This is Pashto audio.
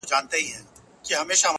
په څو ځلي مي ستا د مخ غبار مات کړی دی;